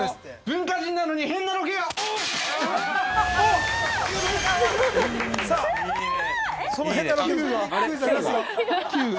文化人なのに、変なロケが多い！